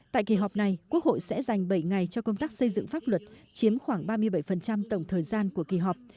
tại kỳ họp này quốc hội sẽ dành bảy ngày cho công tác xây dựng pháp luật chiếm khoảng ba mươi bảy tổng thời gian của kỳ họp